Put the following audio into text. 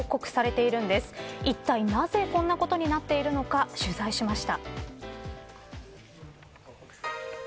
いったいなぜこんなことになっているのか取材しました。